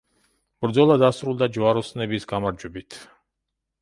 ბრძოლა დასრულდა ჯვაროსნების გამარჯვებით.